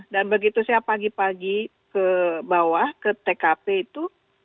dan begitu saya pagi pagi ke bawah ke tkp itu